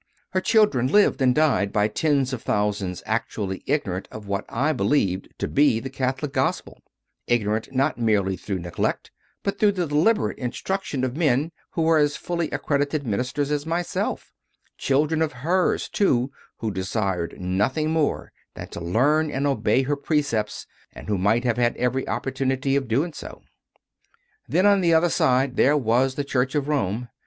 Her children lived and died by tens of thousands actually ignorant of what I believed to be the Catholic Gospel ignorant not merely through neglect, but through the deliberate instruction of men who were as fully accredited ministers as myself children of hers, too, who desired nothing more than to learn and obey her precepts and who might have had every opportunity of doing so. Then on the other side there was the Church of Rome.